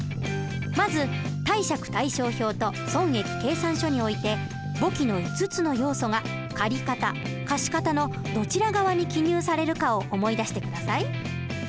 まず貸借対照表と損益計算書において簿記の５つの要素が借方貸方のどちら側に記入されるかを思い出して下さい。